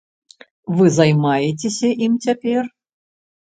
Вы займаецеся ім цяпер?